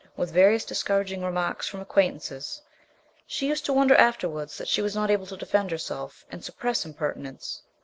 with various dis couraging remarks from acquaintances ; she used to wonder afterwards that she was not able to defend herself and suppress impertinence.